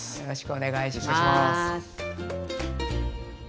よろしくお願いします。